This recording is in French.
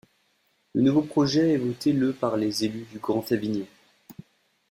Le nouveau projet est voté le par les élus du Grand Avignon.